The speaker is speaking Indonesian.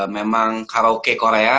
memang karaoke korea